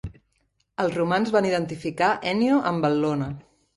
Els romans van identificar Enio amb Bel·lona.